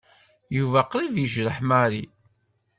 Yuba qrib yejreḥ Mary.